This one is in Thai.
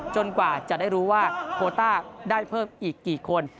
กว่าจะได้รู้ว่าโคต้าได้เพิ่มอีกกี่คน